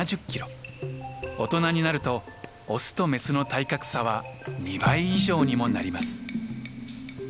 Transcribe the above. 大人になるとオスとメスの体格差は２倍以上にもなります。